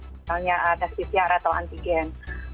misalnya tes pcr atau antigen